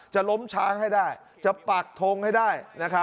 จะล้มช้างให้ได้จะปักทงให้ได้